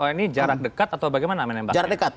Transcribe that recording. ini jarak dekat atau bagaimana menembaknya